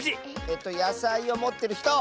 えっとやさいをもってるひと！